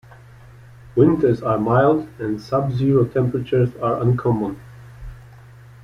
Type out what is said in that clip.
Winters are mild and subzero temperatures are uncommon.